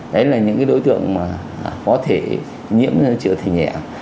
đấy là những cái đối tượng mà có thể nhiễm cho nó trở thành nhẹ